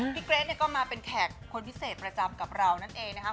เกรทเนี่ยก็มาเป็นแขกคนพิเศษประจำกับเรานั่นเองนะครับ